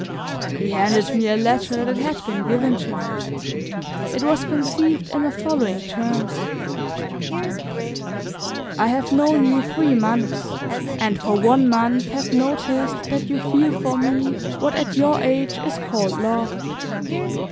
He handed me a letter that had been given him. It was conceived in the following terms: "I have known you three months, and for one month have noticed that you feel for me what at your age is called love.